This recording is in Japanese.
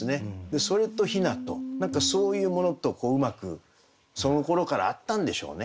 それと雛と何かそういうものとうまくそのころからあったんでしょうね。